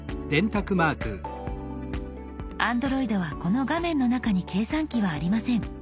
Ａｎｄｒｏｉｄはこの画面の中に計算機はありません。